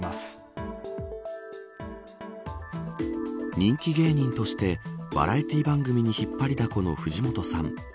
人気芸人としてバラエティー番組に引っ張りだこの藤本さん。